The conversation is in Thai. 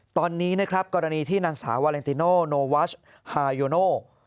ตอนนี้นะครับกรณีที่นางสาววาเลนติโนโนวัชฮาโยโน